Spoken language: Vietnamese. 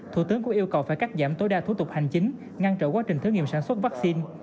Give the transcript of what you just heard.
thủ tướng cũng yêu cầu phải cắt giảm tối đa thủ tục hành chính ngăn trở quá trình thử nghiệm sản xuất vaccine